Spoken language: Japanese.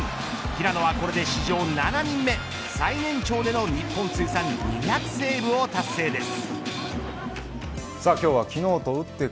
平野はこれで史上７人目最年長で日本通算２００セーブ目を達成です。